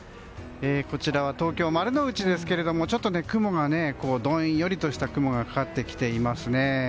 こちら東京・丸の内ですがどんよりとした雲がかかってきていますね。